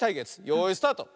よいスタート！